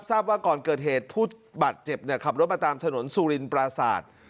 ทราบว่าก่อนเกิดเหตุผู้บาดเจ็บขับรถมาตามถนนสุรินปราศาสตร์